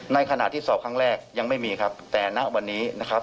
ในขณะที่สอบครั้งแรกยังไม่มีครับแต่ณวันนี้นะครับ